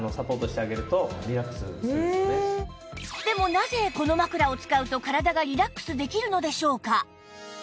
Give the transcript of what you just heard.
でもなぜこの枕を使うと体がリラックスできるのでしょうか？